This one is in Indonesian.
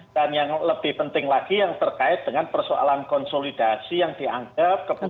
dan yang lebih penting lagi yang terkait dengan persoalan konsolidasi yang dianggap